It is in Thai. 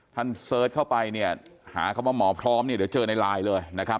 เสิร์ชเข้าไปเนี่ยหาคำว่าหมอพร้อมเนี่ยเดี๋ยวเจอในไลน์เลยนะครับ